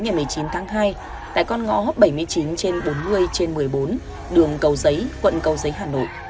ngày một mươi chín tháng hai tại con ngõ bảy mươi chín trên bốn mươi trên một mươi bốn đường cầu giấy quận cầu giấy hà nội